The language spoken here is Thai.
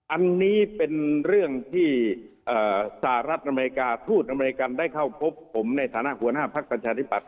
อันนี้เป็นเรื่องที่สหรัฐอเมริกาทูตอเมริกันได้เข้าพบผมในฐานะหัวหน้าภักดิ์ประชาธิปัตย